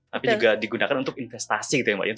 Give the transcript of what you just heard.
tapi juga digunakan untuk investasi gitu ya mbak ya